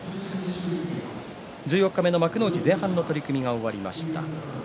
十四日目の幕内前半の取組が終わりました。